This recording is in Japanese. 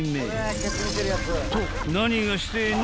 ［と何がしてえの？］